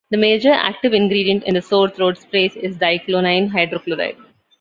The major active ingredient in the sore throat sprays is dyclonine hydrochloride.